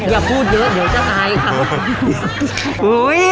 อย่าพูดเยอะเดี๋ยวจะตายค่ะ